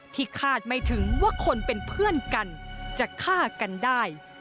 คาดไม่ถึงว่าคนเป็นเพื่อนกันจะฆ่ากันได้